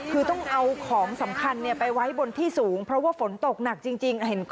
คือต้องเอาของสำคัญไปไว้บนที่สูงเพราะว่าฝนตกหนักจริง